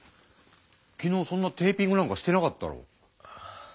昨日そんなテーピングなんかしてなかったろ。